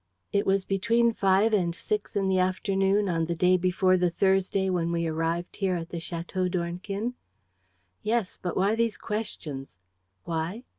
"It was between five and six in the afternoon, on the day before the Thursday when we arrived here, at the Château d'Ornequin?" "Yes, but why these questions?" "Why?